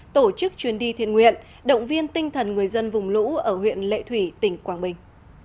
tổ chức chuyến đi thiện nguyện động viên tinh thần người dân vùng lũ ở huyện lệ thủy tỉnh quảng bình